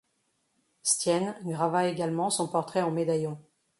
Stienne grava également son portrait en médaillon.